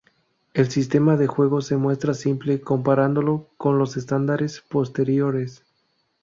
El sistema de juego se muestra simple comparándolo con los estándares posteriores.